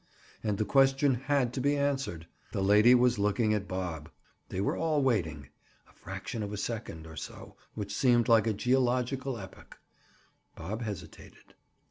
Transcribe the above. And the question had to be answered. The lady was looking at Bob. They were all waiting. A fraction of a second, or so, which seemed like a geological epoch, Bob hesitated.